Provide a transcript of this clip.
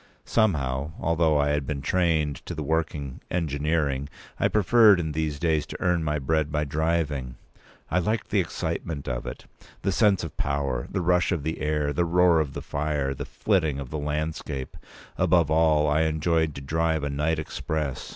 Somehow, although I had been trained to the working engineering, I preferred in these days to earn my bread by driving. I liked the excitement of it, the sense of power, the rush of the air, the roar of the fire, the flitting of the landscape. Above all, I enjoyed to drive a night express.